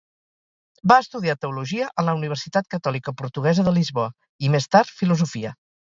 Va estudiar Teologia en la Universitat Catòlica Portuguesa de Lisboa i més tard, Filosofia.